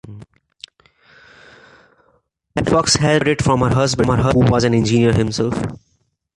Fuchs had heard it from her husband, who was an engineer himself.